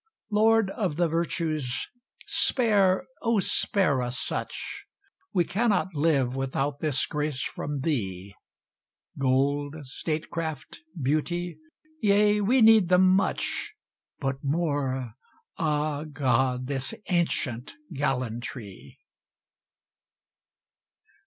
Lord of the virtues, spare, spare us such ! We cannot live without this grace from thee ; Gold, statecraft, beauty — ^yea, we need them much, But more — ^ah, God! — ^this ancient gallantry!